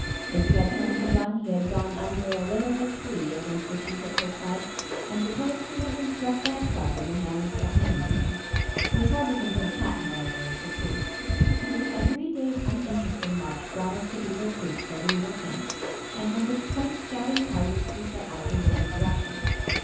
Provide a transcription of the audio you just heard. As he had turned to run he had gone under a limb of a tree against which he hit his head, and supposed he had been struck by a club in the hands of an Indian. It was hard to convince Pat, however, of the truth. A three days' uninteresting march brought us to Beaver Creek, where we were camped, and from which point scouting parties were sent out in different directions.